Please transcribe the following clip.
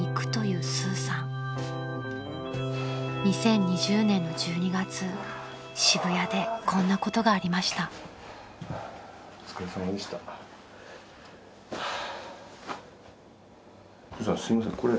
［２０２０年の１２月渋谷でこんなことがありました］ハァ。